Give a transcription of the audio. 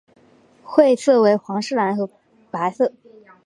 会色为皇室蓝和白色。